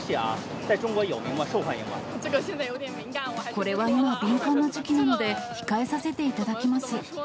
これは今、敏感な時期なので、控えさせていただきます。